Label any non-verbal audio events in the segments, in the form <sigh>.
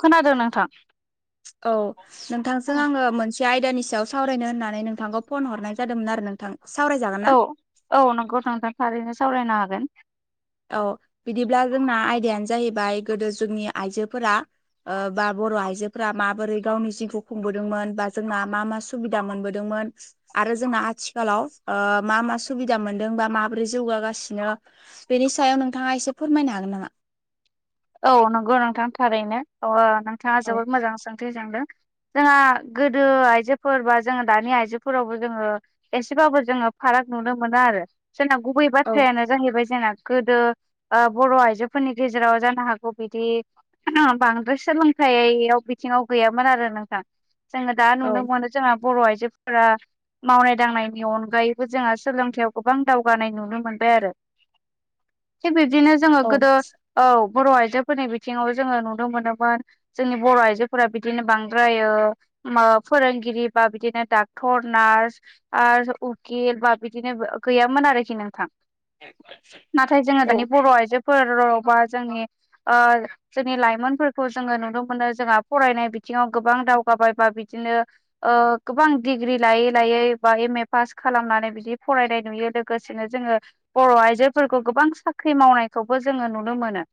खोनादों नोंथां औ नोंथांजों आङो मो नसे आयदानि सायाव सावरायनो होननानै नोंथांखौ फन हरनाय जादोंमोन आरो नोंथां सावराय जागोन औ-औ नोंगौ नोंथां थारैनो सावरायनो हागोन औ बिदिब्ला जोंना आयदायानो जाहैबाय गोदो जोंनि आइजोफोरा बा बर' आइजोफोरा माबोरै गावनि जिउखौ खुंबोदोंमोन बा जोंना मा मा सुबिदा मोनबोदोंमोन आरो जोंना आथिखालाव मा मा सुबिदा मोनदों बा माबोरै जौगागासिनो बेनि सायाव नोंथाङा एसे फोरमायनो हागोन नामा औ नंगौ नोंथाङा थारैनो नोंथाङा औ जोबोद मोजां सोंथि जोंदों जोंहा गोदो आइजोफोर बा जोङो दानि आइजोफोरावबो जोङो एसेबाबो जोङो फाराग नुनो मोनो आरो जोंना गुबै औ बाथ्रायानो जाहैबाय जोंना गोदो बर' आइजोफोरनि गेजेराव जानो हागौ बिदि बांद्राय सोलोंथाइयाव बिथिङाव गैयामोन आरो नोंथां जोङो दा औ नुनो मोनो जोंहा बर' आइजोफोरा मावनाय दांनायनि अनगायैबो जोंहा सोलोंथाइयाव गोबां दावगानाय नुनो मोनबाय आरो <inaudible> थिग बिब्दिनो जोङो औ गोदो औ बर' आइजोफोरनि बिथिङाव जोङो नुनो मोनोमोन जोंनि बर' आइजोफोरा बिदिनो बांद्रायो फोरोंगिरि बा बिदिनो डाक्टर नार्स आ उकिल बा बिदिनो गैयामोन आरोखि नोंथां नाथाय जोङो औ दानि बर' आइजोफोर बा जोंनि जोंनि लाइमोनफोरखौ जोङो नुनो मोनो जोंहा फरायनाय बिथिङाव गोबां दावगाबाय बा बिदिनो ओ गोबां डिग्रि लायै लायै बा एम ए पास खालामनानै बिदि फरायनाय नुयो लोगो लोगोसेनो जोङो बर' आइजोफोरखौ गोबां साख्रि मावनायखौबो जोङो नुनो मोनो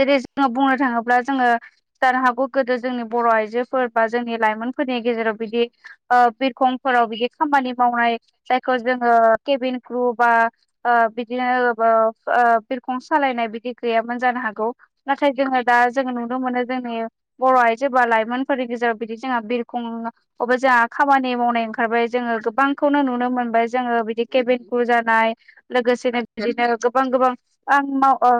जेरै जोङो बुंनो थाङोब्ला जोङो जानो हागौ गोदो जोंनि बर' आइजोफोर बा जोंनि लाइमोनफोरनि गेजेराव बिदि बिरखंफोराव बिदि खामानि मावनाय जायखौ जोङो केबिन क्रु बा ओ बिदिनो बिरखं सालायनाय बिदि गैयामोन जानो हागौ नाथाय जोङो दा जोङो नुनो मोनो जोंनि बर' आइजो बा लाइमोनफोरनि गेजेराव बिदि जोंहा बिरखं अबबा जोंहा खामानि मावनाय ओंखारबाय जोङो गोबांखौनो नुनो मोनबाय जोङो बिदि केबन कु जानाय लोगोसेनो बिदिनो गोबां गोबां आं माव ओ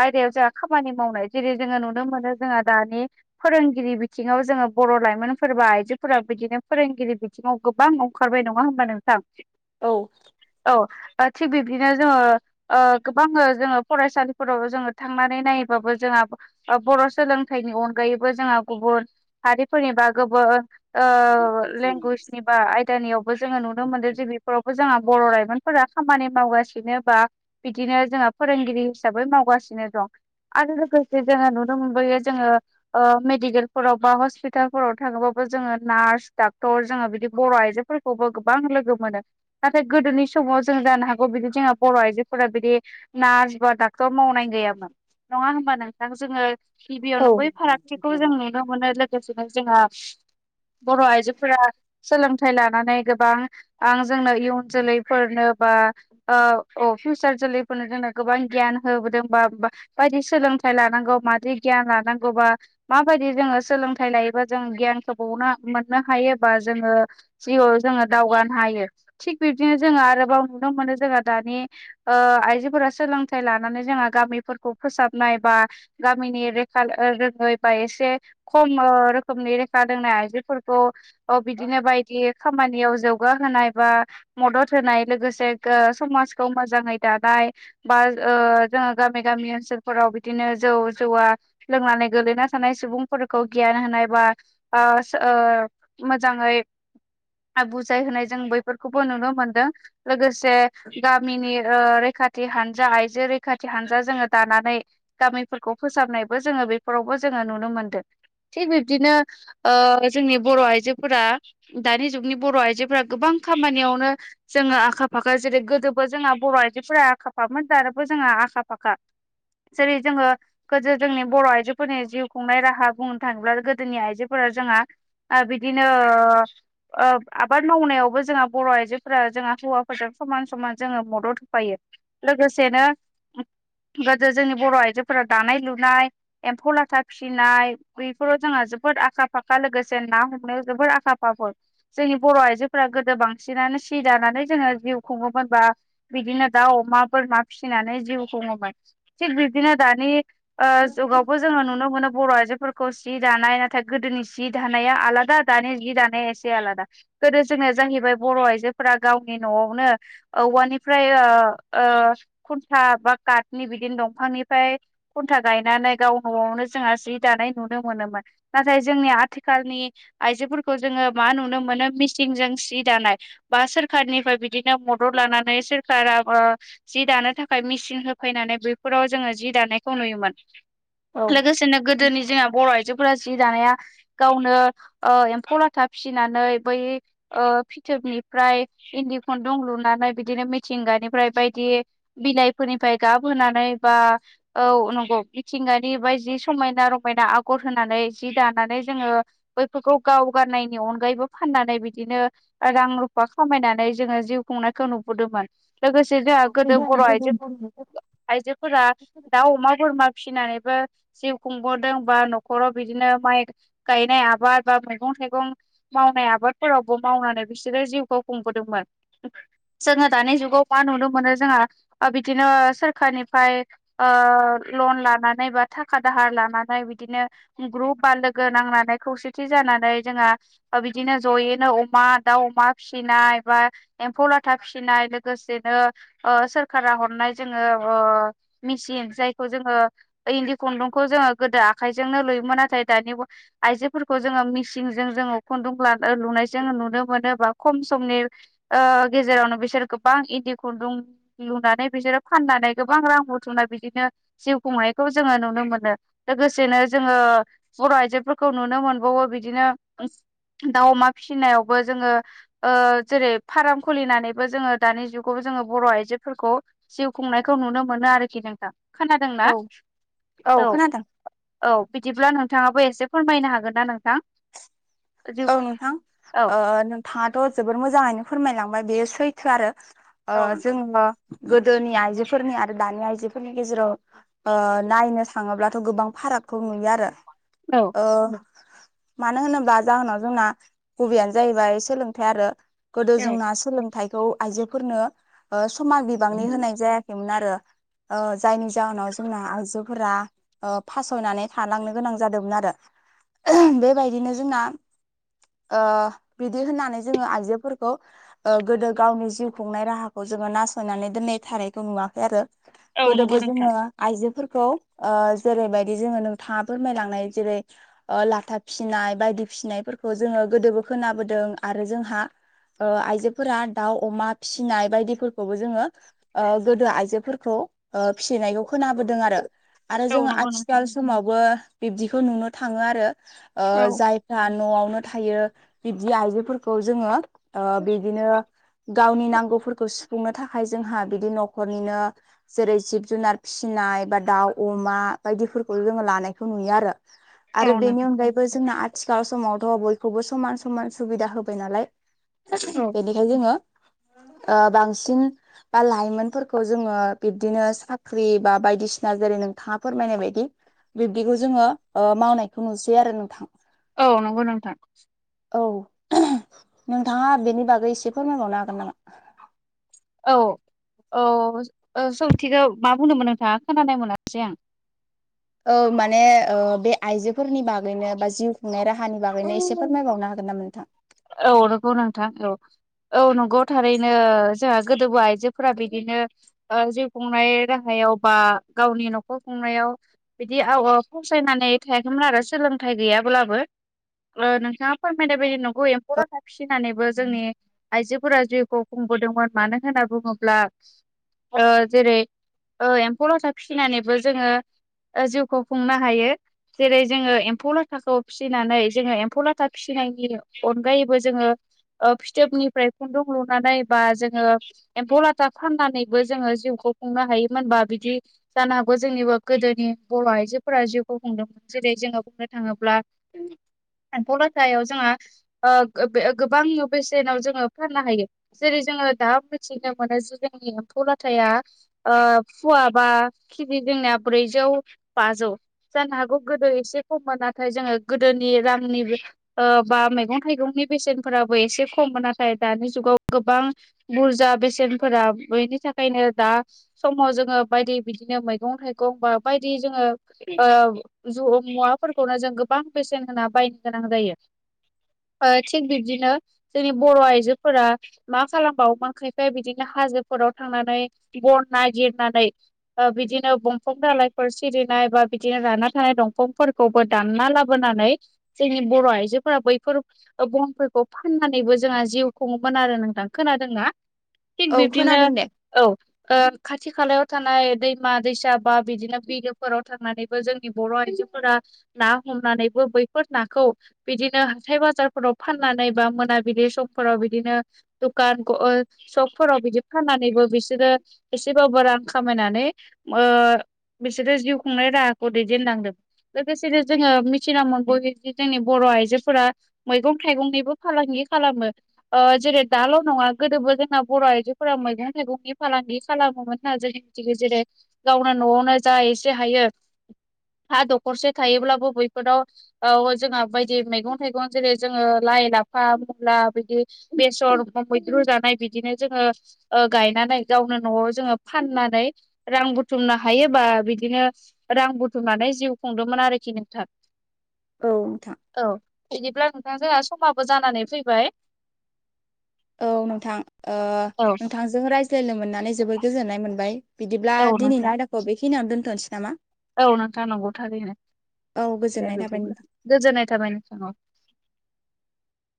आयदायाव जोंहा खामानि मावनाय जेरै जोङो नुनो मोनो जोंहा दानि फोरोंगिरि बिथिङाव जोङो बर' लाइमोनफोर बा आइजोफोरा बिदिनो फोरोंगिरि बिथिङाव गोबां ओंखारबाय नङा होनबा नोंथां औ औ ओ थिग बिब्दिनो जोङो गोबां जोङो फरायसालिफोराव जोङो थांनानै नायोबाबो जोंहा बर' सोलोंथाइनि अनगायैबो जोंहा गुबुन हारिफोरनि बा गोबुन ओ लेंगुवेजनि बा आयदानियावबो जोङो नुनो मोनदों जोंनि फोरावबो जोंहा बर' लाइमोनफोरा खामानि मावगासिनो बा बिदिनो जोंहा फोरोंगिरि हिसाबै मावगासिनो दं आरो लोगोसे जोङो नुनो मोनबोयो जोङो ओ मेडिकेलफोराव बा हस्पितालफोराव थाङोबाबो जोङो नार्स डाक्टर जोङो बिदि बर' आइजो फोरखौबो गोबां लोगो मोनो नाथाय गोदोनि समाव जों जानो हागौ बिदि जोंहा बर' आइजो फोरा बिदि नार्स बा डाक्टर मावनाय गैयामोन नङा होमबा नोंथांखौ जोङो गिबियावनो बै फारागथिखौ जों नुनो मोनो लोगोसेनो जोंहा बर' आइजोफोरा सोलोंथाइ लानानै गोबां आं जोंनो इयुन जोलैफोरनो बा अ फिउसार जोलैफोरनो जोंनो गोबां गियान होबोदोंबा बायदि सोलोंथाइ लानांगौ मादै गियान लानांगौबा माबायदि जोङो सोलोंथाइ लायोबा जो गियानखौ बावनो मोननो हायोबा जोङो जिउयाव जोङो दावगानो हायो थिग बिब्दिनो जोङो आरोबाव नुनो मोनो जोंहा दानि आइजोफोरा सोलोंथाइ लानानै जोंहा गामिफोरखौ फोसाबनाय बा गामिनि लेखा रोङैबा एसे खम रोखोमनि लेखा रोंनाय आइजोफोरखौ बिदिनो बायदि खामानियाव जौगाहोनाय बा मदद होनाय लोगोसे समाजखौ मो मोजाङै दानाय बा जोङो गामि गामि ओनसोलफोराव बिदिनो जौ जुवा लोंनानै गोलैना थानाय सुबुंफोरखौ गियान होनाय बा आ मोजांयै बुजाय होनाय जों बैफोरखौबो नुनो मोनदों लोगोसे गामिनि ओ रैखाथि हानजा आयजो रैखाथि हानजा जोङो दानानै गामिफोरखौ फोसाबनायबो जोङो बेफोरावबो जोङो नुनो मोनदों थिग बिब्दिनो ओ जोंनि बर' आइजोफोरा दानि जुगनि बर' आइजोफोरा गोबां खामानियावनो जोङो आखा फाखा जेरै गोदोबो जोंहा बर' आइजोफोरा आखा फामोन दानोबो जोंहा आखा फाखा जेरै जोङो गोदो जोंनि बर' आइजोफोरनि जिउ खुंनाय राहा बुंनो थाङोब्ला गोदोनि आइजोफोरा जोंहा बिदिनो ओ ओ आबाद मावनायावबो जोंहा बर' आइजोफोरा जोंहा हौवाफोरजों समान समान जोङो मदद होफायो लोगोसेनो गोदो जोंनि बर' आइजोफोरा दानाय लुनाय एम्फौ लाथा फिसिनाय बैफोराव जोंहा जोबोद आखा फाखा लोगोसे ना हमनायाव जोबोद आखा फाखा जोंनि बर' आइजोफोरा गोदो बांसिनानो सि दानानै जोङो जिउ खुङोमोन बा बिदिनो दा अमा बोरमा फिसिनानै जिउ खुङोमोन थिग बिदिनो दानि ओ जुगावबो जोङो नुनो मोनो बर' आइजोफोर खौ जि दानाय नाथाय गोदोनि जि दानाया आलादा दानि जि दानाया एसे आलादा गोदो जोङो जाहैबाय बर' आइजोफोरा गावनि न'आवनो औवानि फ्राय ओ खुन्था बा काटनि बिदिनो दंफांनिफ्राय खुन्था गायनानै गाव न'आवनो जोंहा जि दानाय नुनो मोनोमोन नाथाय जोंनि आथिखालनि आइजोफोरखौ जोङो मा नुनो मोनो मिसिंजों सि दानाय बा सोरखारनिफ्राय बिदिनो मदद लानानै सोरखाराबो जि दानो थाखाय मेचिन होफैनानै बैफोराव जोङो जि दानायखौ नुयोमोन औ लोगोसेनो गोदोनि जोंहा बर' आइजोफोरा जि दानाया गावनो ओ एम्फौ लाथा फिसिनानै बै ओ फिथोबनिफ्राय इन्दि खुन्दुं लुनानै बिदिनो मिथिंगानिफ्राय बायदि बिलाइफोरनिफ्राय गाब होनानै बा औ नंगौ मिथिंगानि बायदि जि समायना रमायना आगर होनानै जि दानानै जोङो बैफोरखौ गाव गाननायनि अनगायैबो फाननानै बिदिनो रां रुफा खामायनानै जोङो जिउ खुंनायखौ नुबोदोंमोन लोगोसे जोंहा गोदो बर' आइजो आइजोफोरा दाउ अमा बोरमा फिसिनानैबो जिउ खुंबोदों बा न'खराव बिदिनो माइ गायनाय आबाद बा मैगं थाइगं मावनाय आबादफोरावबो मावनानै बिसोरो जिउखौ खुंबोदोंमोन जोङो दानि जुगाव मा नुनो मोनो जोंहा बिदिनो सोरखारनिफ्राय ओ लन लानानै बा थाखा दाहार लानानै बिदिनो ग्रुप बा लोगो नांनानै खौसेथि जानानै जोंहा ओ बिदिनो ज'यैनो अमा दाउ अमा फिसिनाय बा एम्फौ लाथ लाथा फिनाय लोगोसेनो सोरखारा हरनाय जोङो मेचिन जायखौ जोङो इन्दि खुन्दुंखौ जोङो गोदो आखाइजोंनो लुयोमोन नाथाय दानि आइजोफोरखौ जोङो मिसिंजों जोङो खुन्दुं ला लुनायजों नुनो मोनो बा खम समनि ओ गेजेरावनो बिसोर गोबां इन्दि खुन्दुं लुनानै बिसोरो फाननानै गोबां रां बुथुमनाय बिदिनो जिउ खुंनायखौ जोङो नुनो मोनो लोगोसेनो जोङो बर' आइजोफोरखौ नुनो मोनबावो बिदिनो दाउ अमा फिसिनायावबो जोङो ओ जेरै फाराम खुलिनानैबो जोङो दानि जुगावबो जोङो बर' आइजोफोरखौ जिउ खुंनायखौ नुनो मोनो आरोखि नोंथां खोनादोंना औ औ औ बिदिब्ला नोंथाङाबो एसे फोरमायनो हागोन ना नोंथां जिउ औ नोंथां औ ओ नोंथाङाथ' जोबोर मोजाङैनो फोरमायलांबाय बेयो सैथो आरो औ नंगौ जोङो गोदोनि आइजोफोरनि आरो दानि आइजोफोरनि गेजेराव ओ नायनो थाङोब्लाथ' गोबां फारागखौ नुयो आरो औ ओ मानो होनोबा जाहोनाव जोंना गुबैयानो जाहैबाय सोलोंथाइ आरो गोदो जोंना सोलोंथाइखौ आइजोफोरनो समान बिबांनि होनाय जाया मोन आरो जायनि जाहोनाव जोंना आइजोफोरा फासयनानै थालांनो गोनां जादोंमोन आरो बेबायदिनो जोंना ओ बिदि होननानै जोङो आइजोफोरखौ ओ गोदो गावनि जिउ खुंनाय राहाखौ जोङो नासयनानै दोननाय थानायखौ नुवाखै आरो औ नंगौ गोदोबो नोंथां जोङो आइजोफोरखौ जेरैबायदि जोङो नोंथाङा फोरमायलांनाय जेरै लाथा फिसिनाय बायदि फिसिनायफोरखौ जोङो गोदोबो खोनाबोदों आरो जोंहा आइजोफोरा दाउ अमा फिसिनाय बायदिफोरखौबो जोङो गोदो आइजोफोरखौ फिसिनायखौ खोनाबोदों आरो आरो औ जोङो नंगौ नोंथां आथिखाल समावबो बिब्दिखौ नुनो थाङो आरो औ जाय न'आवनो थायो बिदि आइजोफोरखौ जोङो बिदिनो गावनि नांगौफोरखौ सुफुंनो थाखाय जोंहा बिदि न'खरनिनो जेरै जिब जुनार फिसिनाय बा दाउ अमा बायदिफोरखौ जोङो लानायखौ नुयो आरो औ आरो बेनि नोंथां अनगायैबो जोंहा आथि आथिखाल समावथ' बयखौबो समान समान सुबिदा होबाय नालाय औ बेनिखायनो जोङो बांसिन बा लाइमोनफोरखौ जोङो बिब्दिनो साख्रि बा बायदिसिना जेरै नोंथाङा फोरमायनाय बायदि बिब्दिखौ जोङो मावनायखौ नुसै आरो नोंथां औ नंगौ नोंथां औ नोंथाङा बेनि बागै एसे फोरमायबावनो हागोन नामा औ औ सोंथिखौ मा बुंदोंमोन नोंथाङा खोनानाय मोनासै आं औ माने बे आइजोफोरनि बागैनो बा जिउ खुंनाय राहानि बागैनो एसे फोरमायबावनो हागोन नामा नोंथां औ नोंगौ नोंथां औ औ नंगौ थारैनो जोंहा गोदोबो आइजोफोरा बिदिनो जिउ खुंनाय राहायाव बा गावनि न'खर खुंनायाव बिदि फसायनानै थायाखैमोन आरो सोलोंथाइ गैयाब्लाबो नोंथाङा फोरमायनाय बायदि नंगौ एम्फौ लाथा फिसिनानैबो जोंनि आइजोफोरा जिउखौ खुंबोदोंमोन मानो होनना बुङोब्ला जेरै ओ एम्फौ लाथा फिसिनानैबो जोङो जिउखौ खुंनो हायो जेरै जोङो एम्फौ लाथाखौ फिसिनानै जोङो एम्फौ लाथा फिसिनायनि अनगायैबो जोङो फिथोबनिफ्राय खुन्दुं लुनानै बा जोङो एम्फौ लाथा फाननानैबो जोङो जिउखौ खुंनो हायोमोनबा बिदि जानो हागौ जोंनिबो गोदोनि बर' आइजोफोरा जिउखौ खुंदों जेरै जोङो बुंनो थाङोब्ला एम्फौ लाथायाव जोंहा गोबां बेसेनाव जोङो फाननो हायो जेरै जोङो दा मिथिनो मोनो जि जोंनि एम्फौ लाथाया फुवा बा केजि जोंनिया ब्रैजौ बाजौ जानो हागौ गोदो एसे खममोन नाथाय जोङो गोदोनि रांनि बा मैगं थाइगंनि बेसेनफोराबो एसे खममोन नाथाय दानि जुगाव गोबां बुरजा बेसेनफोरा बेनि थाखायनो दा समाव जोङो बायदि बिदिनो मैगं थाइगं बा बायदि जोङो ओ ज मुवाफोरखौनो जों गोबां बेसेन होना बायनो गोनां जायो थिग बिब्दिनो जोंनि बर' आइजोफोरा मा खालामबावोमोन खायफाया बिदिनो हाजोफोराव थांनानै बन नागिरनानै बिदिनो दंफां दालाइफोर सिरिनाय बा बिदिनो रानना थानाय दंफांफोर खौबो दानना लाबोनानै जोंनि बर' आइजोफोरा बैफोर बनफोरखौ फाननानैबो जोंहा जिउ खुङोमोन आरो नोंथां खोनादोंना थिग औ बिबदिनो खोनादों दे औ खाथि खालायाव थानाय दैमा दैसा बा बिदिनो बिलोफोराव थानानै जोंनि बर' आइजोफोरा ना हमनानैबो बैफोर नाखौ बिदिनो हाथाय बाजा बाजारफोराव फाननानै बा मोनाबिलि समफोराव बिदिनो दखानखौ ओ सकफोराव बिदि फाननानैबो बिसोरो एसेबाबो रां खामायनानै ओ बिसोरो जिउ खुंनाय राहाखौ दैदेनलांदों लोगोसेनो जोङो मिथिना मोनबोयो जोंनि बर' आइजोफोरा मैगं थाइगंनिबो फालांगि खालामो जेरै दाल' नङा गोदोबो जोंना बर' आइजोफोरा मैगं थाइगंनि फालांगि खालामोमोन ना जों जेरै गावनो न'वावनो जा एसे हायो हा दखरसे थायोब्लाबो बैफोराव औ जोंहा बायदि मैगं थाइगं जेरै जोङो लाइ लाफा मुला बिदि बेसर बा मैद्रु जानाय बिदिनो जोङो ओ गायनानै गावनो न'वाव जोङो फाननानै रां बुथुमनो हायोबा बिदिनो रां बुथुमनानै जिउ खुंदोंमोन आरोखि नोंथां औ नोंथां औ बिदिब्ला नोंथां जोंहा समाबो जानानै फैबाय औ नोंथां ओ औ नोंथांजों रायज्लायनो मोननानै जोबोद गोजोननाय मोनबाय। बिदिब्ला औ नोंथां दिनैनि आयदाखौ बेखिनियावनो दोनथ'नोसै नामा औ नोंथां नंगौ थारैनो औ दे गोजोननाय थाबाय नोंथां बिदिब्ला गोजोननाय थाबाय नोंथां